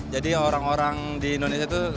jadi orang orang di indonesia itu